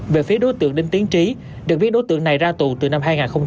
về phía đối tượng đinh tiến trí được biết đối tượng này ra tù từ năm hai nghìn một mươi ba